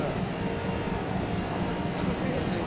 じゃあ挟んでるやつも食べていいですか？